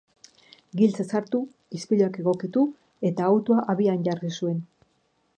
Giltza sartu, ispiluak egokitu eta autoa abian jarri zuen.